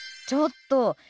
ちょっと！